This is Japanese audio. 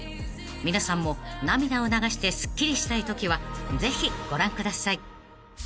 ［皆さんも涙を流してすっきりしたいときはぜひご覧ください］